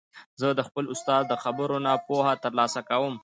زه د خپل استاد د خبرو نه پوهه تر لاسه کوم.